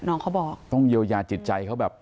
น้องเขาบอกต้องเยียวยาจิตใจเขาแบบ